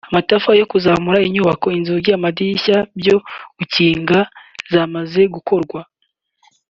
amatafari yo kuzamura inyubako inzugi n’amadirishya byo gukinga zamaze gukorwa